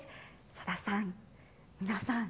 さださん、皆さん